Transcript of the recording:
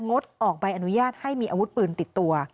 งดออกใบอนุญาตให้มีอาวุธปืนติดตัว